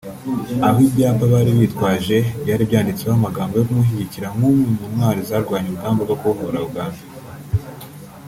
aho ibyapa bari bitwaje byari byanditseho amagambo yo kumushyigikira nk’umwe mu ntwari zarwanye urugamba rwo kubohora Uganda